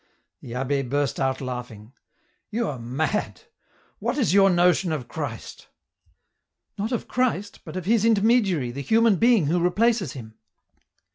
The abbd burst out laughing. " You are mad ! What is your notion of Christ ?"" Not of Christ, but of His intermediary the human being vho replaces Him."